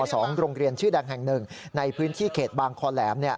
โรงเรียนชื่อดังแห่งหนึ่งในพื้นที่เขตบางคอแหลม